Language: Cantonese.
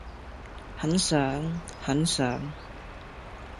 很想....很想....